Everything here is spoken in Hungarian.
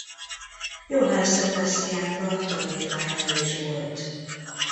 Johann Sebastian Bach tanítványa is volt.